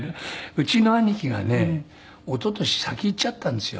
うちの兄貴がね一昨年先逝っちゃったんですよ。